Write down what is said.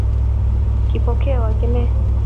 Kipokeo akine